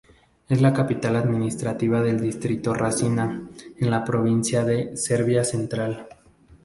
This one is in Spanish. Es la capital administrativa del distrito Rasina en la provincia de Serbia Central.